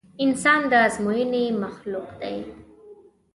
انسان د ازموينې مخلوق دی.